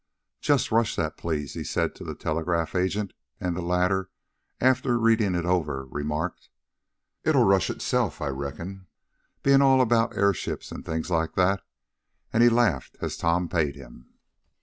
"Just rush that, please," he said to the telegraph agent, and the latter, after reading it over, remarked: "It'll rush itself, I reckon, being all about airships, and things like that," and he laughed as Tom paid him.